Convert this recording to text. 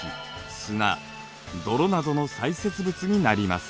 ・砂・泥などの砕屑物になります。